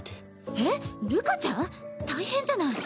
えっるかちゃん⁉大変じゃない！